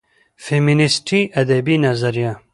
فيمينستى ادبى نظريه